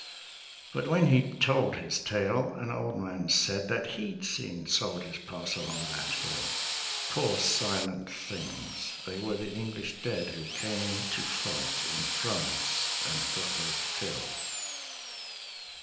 But when he'd told his tale, an old man said That he'd seen soldiers pass along that hill; "Poor, silent things, they were the English dead Who came to fight in France and got their fill."